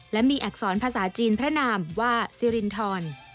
และมีอักษรภาษาจีนพระนามว่าซิรินทร